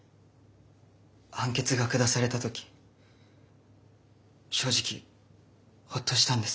判決が下された時正直ホッとしたんです。